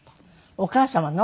お母様の？